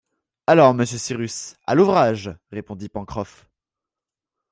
Alors, monsieur Cyrus, à l’ouvrage! répondit Pencroff.